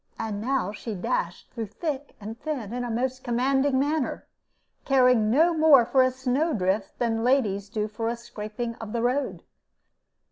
And now she dashed through thick and thin in a most commanding manner, caring no more for a snow drift than ladies do for a scraping of the road.